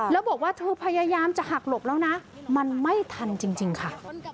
แล้วบอกว่าเธอพยายามจะหักหลบแล้วนะมันไม่ทันจริงค่ะ